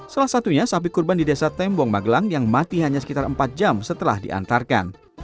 salah satunya sapi kurban di desa tembong magelang yang mati hanya sekitar empat jam setelah diantarkan